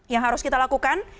yang harus kita lakukan